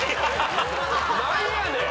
何やねん！